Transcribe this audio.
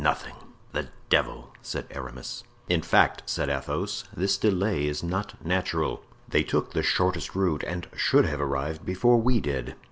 "Nothing." "The devil!" said Aramis. "In fact," said Athos, "this delay is not natural; they took the shortest route and should have arrived before we did."